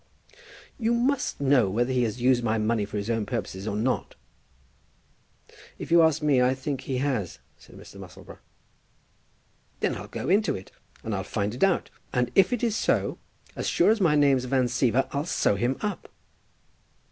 "You must know whether he has used my money for his own purposes or not." "If you ask me, I think he has," said Mr. Musselboro. "Then I'll go into it, and I'll find it out, and if it is so, as sure as my name's Van Siever, I'll sew him up."